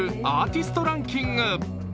アーティストランキング。